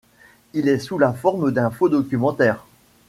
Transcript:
Il est sous la forme d'un faux documentaire.